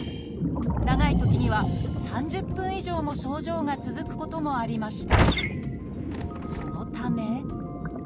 長いときには３０分以上も症状が続くこともありました。